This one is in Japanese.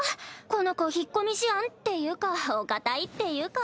この子引っ込み思案っていうかお堅いっていうか。